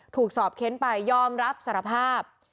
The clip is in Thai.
ถูกสอบเค้นไปยอมรับสารภาพ